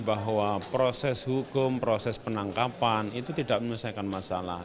bahwa proses hukum proses penangkapan itu tidak menyelesaikan masalah